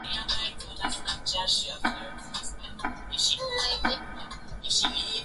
Andaa unga wako wa chapati